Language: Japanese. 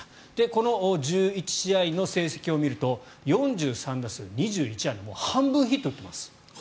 この１１試合の成績を見ると４３打数２１安打もう半分ヒット打ってます。